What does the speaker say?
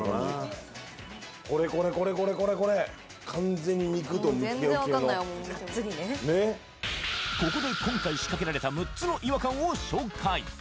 これこれこれがっつりねねっここで今回仕掛けられた６つの違和感を紹介